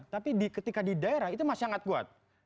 tapi ketika di daerah itu masih sangat kuat